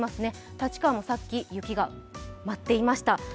立川もさっき雪が舞っていました。